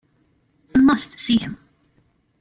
I must see him.